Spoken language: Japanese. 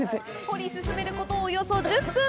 掘り進めること、およそ１０分。